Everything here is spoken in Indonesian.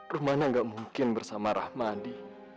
rumahnya gak mungkin bersama rahmadi